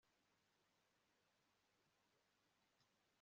niwowe wenyine muntu uzi guhuza uyu mutekano